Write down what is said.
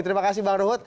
terima kasih bang rohut